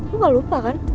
lu gak lupa kan